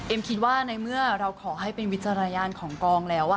คิดว่าในเมื่อเราขอให้เป็นวิจารณญาณของกองแล้ว